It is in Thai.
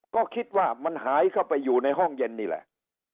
ก็คิดว่ามันหายเข้าไปอยู่ในห้องเย็นนี่แหละ